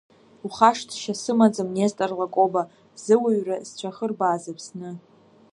Ухашҭшьа сымаӡам, Нестор Лакоба, зыуаҩра сцәахырбааз Аԥсны.